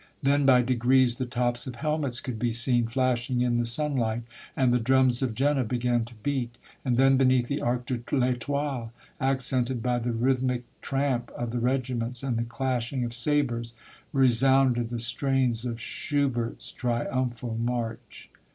Then by degrees the tops of helmets could be seen flashing in the sunlight, and the drums of Jena began to beat. And then beneath the Arc de I'Etoile, accented by the rhythmic tramp of the regiments and the clashing of sabres, resounded the strains of Schubert's triumphal march.